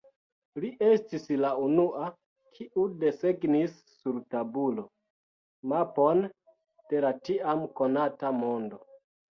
Li estis la unua, kiu desegnis sur tabulo mapon de la tiam konata mondo.